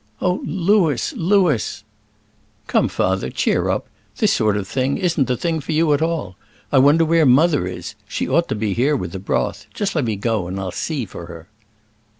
"Oh, Louis! Louis!" "Come, father, cheer up; this sort of thing isn't the thing for you at all. I wonder where mother is: she ought to be here with the broth; just let me go, and I'll see for her."